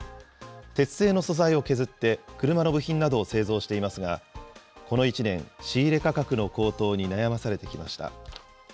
鉄製の素材を削って、車の部品などを製造していますが、この１年、仕入れ価格の高騰に悩まされてきました。